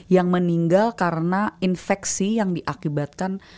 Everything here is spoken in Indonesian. yang meninggal karena infeksi yang diakibatkan